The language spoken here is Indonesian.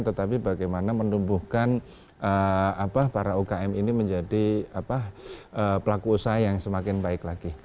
tetapi bagaimana menumbuhkan para ukm ini menjadi pelaku usaha yang semakin baik lagi